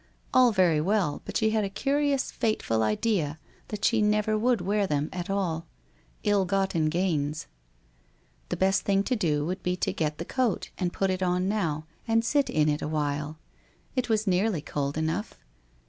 All very well, but she had a curious fateful idea that she never would wear them at all. Ill gotten gains! ... The best thing to do would be to get the coat, and put it on now, and sit in it a while. It was nearly cold enough.